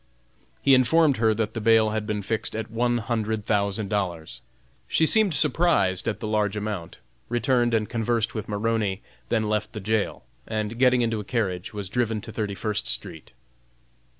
He informed her that the bail had been fixed at one hundred thousand dollars. She seemed surprised at the large amount, returned and conversed with Maroney, then left the jail, and getting into a carriage, was driven to Thirty first street.